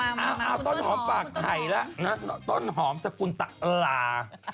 เอามาต้นหอมฝากไข่ละต้นหอมสกุลตะลา